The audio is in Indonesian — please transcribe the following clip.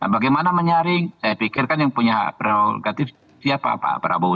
bagaimana menyaring saya pikirkan yang punya kreatif siapa pak prabowo